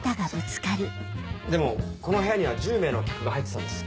でもこの部屋には１０名の客が入ってたんです。